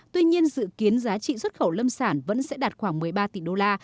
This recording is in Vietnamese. tuy nhiên dự kiến giá trị xuất khẩu lâm sản vẫn sẽ đạt khoảng một mươi ba tỷ đô la